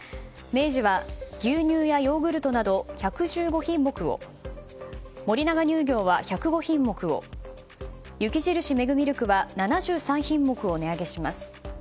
明治は牛乳やヨーグルトなど１１５品目を森永乳業は１０５品目を雪印メグミルクは７３品目を値上げします。